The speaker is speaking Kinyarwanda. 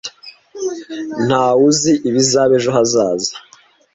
Ntawe uzi ibizaba ejo hazaza.